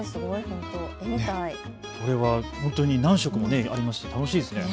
これは本当に何色もありますし楽しいですね。